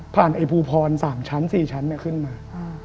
ผ่านไอ้ภูพร๓ชั้น๔ชั้นเนี่ยขึ้นมา